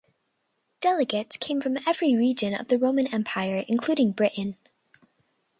Delegates came from every region of the Roman Empire, including Britain.